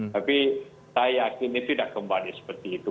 tapi saya yakin ini tidak kembali seperti itu